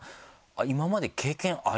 今まで経験あります？